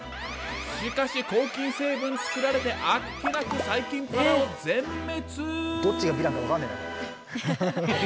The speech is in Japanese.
しかし抗菌成分作られてあっけなく細菌パラオ全滅。